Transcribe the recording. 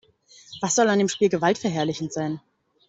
Was soll an dem Spiel gewaltverherrlichend sein?